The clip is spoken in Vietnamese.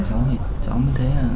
thì cháu mới thấy là